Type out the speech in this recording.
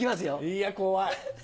いや怖い。